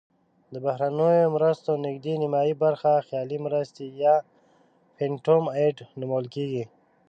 د بهرنیو مرستو نزدې نیمایي برخه خیالي مرستې یا phantom aid نومول کیږي.